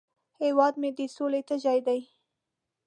هیواد مې د سولې تږی دی